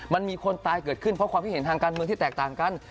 มันมีคนตายเกิดขึ้นเพราะความคิดเห็นทางการเมืองที่แตกต่างกัน